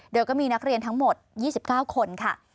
โดยก็มีนักเรียนทั้งหมด๒๙คนค่ะ